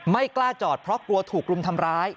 ไม่กล้าจอดเพราะกลัวถูกรุมทำร้าย